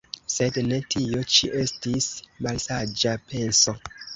Sed ne, tio ĉi estis malsaĝa penso.